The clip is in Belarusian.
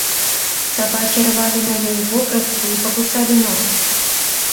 Сабакі рвалі на ёй вопратку і пакусалі ногі.